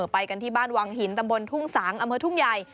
ไปกันที่บ้านวังหินตำบลทุ่งสางอำเภอทุ่งใหญ่